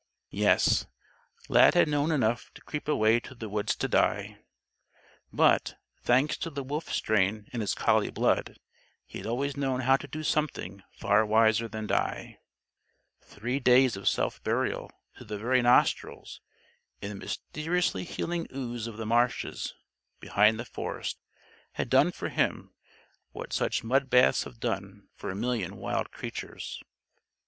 _" Yes, Lad had known enough to creep away to the woods to die. But, thanks to the wolf strain in his collie blood, he had also known how to do something far wiser than die. Three days of self burial, to the very nostrils, in the mysteriously healing ooze of the marshes, behind the forest, had done for him what such mud baths have done for a million wild creatures.